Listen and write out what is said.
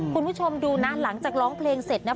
คุณผู้ชมดูนะหลังจากร้องเพลงเสร็จนะ